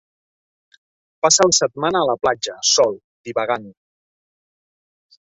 Passa la setmana a la platja, sol, divagant.